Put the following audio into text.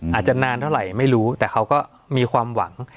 อาจจะนานเท่าไหร่ไม่รู้แต่เขาก็มีความหวัง